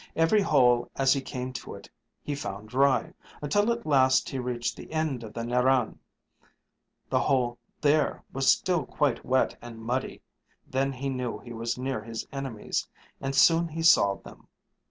Every hole as he came to it he found dry, until at last he reached the end of the Narran; the hole there was still quite wet and muddy, then he knew he was near his enemies, and soon he saw them.